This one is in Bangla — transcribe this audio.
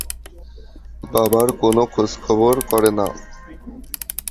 বাবার কোনো খোঁজখবর করে না।